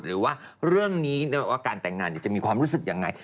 หรือว่าเรื่องนี้ว่าการแต่งงานจะมีความรู้สึกยังไง